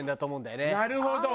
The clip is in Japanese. なるほど。